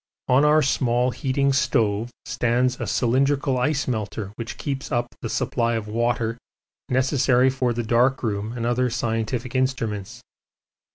On our small heating stove stands a cylindrical ice melter which keeps up the supply of water necessary for the dark room and other scientific instruments.